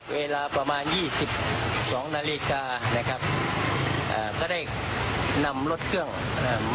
เวลาประมาณยี่สิบสองนาฬิกานะครับอ่าก็ได้นำรถเครื่องอ่า